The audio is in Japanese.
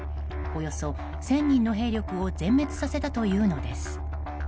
およそ１０００人の兵力を全滅させたのです。